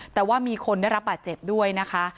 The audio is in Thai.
แต่ว่ามีคนได้รับบาดเจ็บด้วยนะคะ